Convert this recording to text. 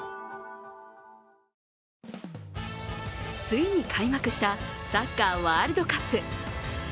ついに開幕したサッカーワールドカップ。